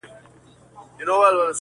o ماسومان ترې وېرېږي تل,